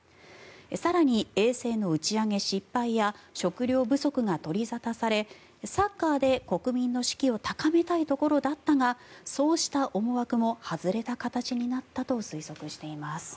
更に、衛星の打ち上げ失敗や食糧不足が取り沙汰されサッカーで国民の士気を高めたいところだったがそうした思惑も外れた形になったと推測しています。